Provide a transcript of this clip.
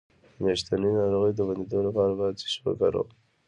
د میاشتنۍ ناروغۍ د بندیدو لپاره باید څه شی وکاروم؟